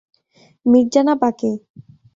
মির্জা না বাকে?